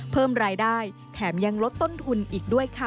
เพิ่มรายได้แถมยังลดต้นทุนอีกด้วยค่ะ